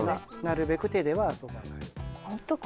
なるべく手では遊ばない。